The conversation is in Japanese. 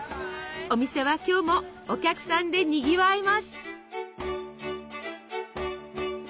お店は今日もお客さんでにぎわいます。